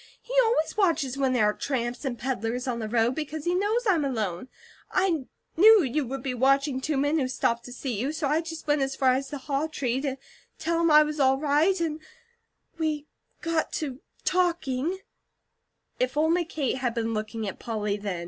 He always watches when there are tramps and peddlers on the road, because he knows I'm alone. I knew he would be watching two men who stopped to see you, so I just went as far as the haw tree to tell him I was all right, and we got to talking " If only Kate had been looking at Polly then!